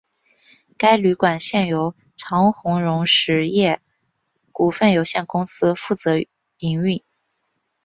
该旅馆现由长鸿荣实业股份有限公司负责营运。